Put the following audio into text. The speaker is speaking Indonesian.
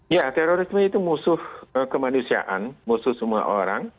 ya terorisme itu musuh kemanusiaan musuh semua orang